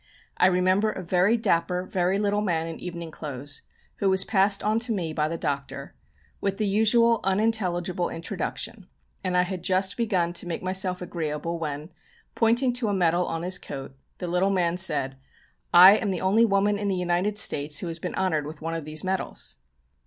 I remember a very dapper, very little man in evening clothes, who was passed on to me by the Doctor, with the usual unintelligible introduction, and I had just begun to make myself agreeable when, pointing to a medal on his coat, the little man said: "I am the only woman in the United States who has been honoured with one of these medals."